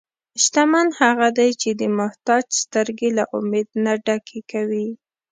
شتمن هغه دی چې د محتاج سترګې له امید نه ډکې کوي.